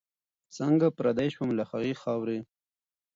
څنګه پردی سوم له هغي خاوري